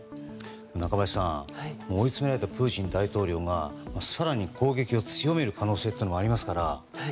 中林さん、追い詰められたプーチン大統領が更に攻撃を強める可能性もありますから。